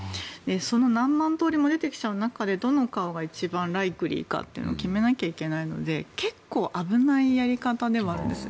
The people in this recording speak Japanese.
その何万とおりも出てきちゃう中でどの顔が一番ライクリーかを決めなければいけないので結構危ないやり方ではあるんです。